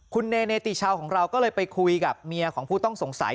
คุณเนติชาวของเราก็เลยไปคุยกับเมียของผู้ต้องสงสัย